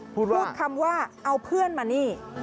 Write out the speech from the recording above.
พูดคำว่าเอาเพื่อนมานี่